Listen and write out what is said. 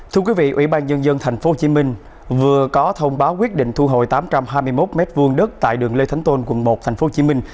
thưa quý vị ủy ban nhân dân tp hcm vừa có thông báo quyết định thu hồi tám trăm hai mươi một m hai đất tại đường lê thánh tôn quận một tp hcm